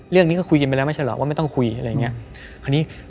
เรื่องนี้ก็คุยกันไปแล้วไม่ใช่หรอกว่าไม่ต้องคุยอะไรอย่างนี้